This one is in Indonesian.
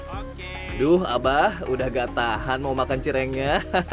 aduh abah udah gak tahan mau makan cirengnya